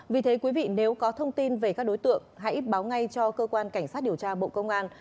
vì thế quý vị nếu có thông tin về các đối tượng hãy báo ngay cho cơ quan cảnh sát điều tra bộ công an